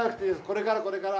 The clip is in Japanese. これからこれから。